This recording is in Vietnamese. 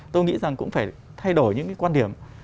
tôi nghĩ rằng cũng phải thay đổi những cái quan điểm